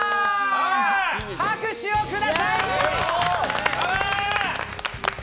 拍手をください。